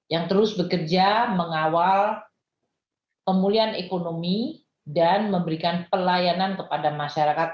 yang terus bekerja mengawal pemulihan ekonomi dan memberikan pelayanan kepada masyarakat